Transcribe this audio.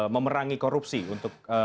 memerangi korupsi untuk